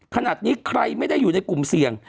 ขนาดนี้ใครไม่ได้อยู่ในกลุ่มเสี่ยง